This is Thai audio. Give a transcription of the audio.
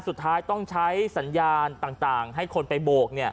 สุดท้ายต้องใช้สัญญาณต่างให้คนไปโบก